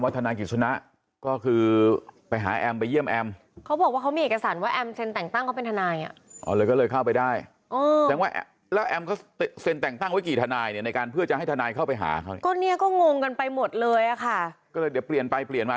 ทีมข่าวก็ถามเหมือนที่พี่อุ๋ยถามเมื่อกี้เลยว่า